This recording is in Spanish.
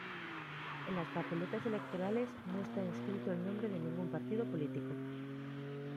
En las papeletas electorales no está inscrito el nombre de ningún partido político.